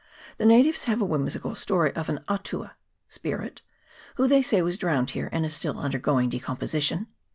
The natives have a whimsical story of an "atua" (spirit), who they say was drowned here, and is still undergoing decom position.